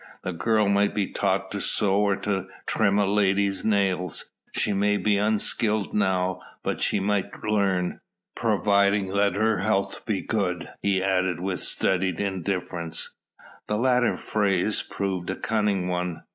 The girl might be taught to sew or to trim a lady's nails. She may be unskilled now but she might learn providing that her health be good," he added with studied indifference. The latter phrase proved a cunning one.